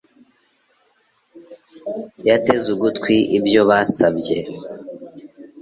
Yateze ugutwi ibyo basabye.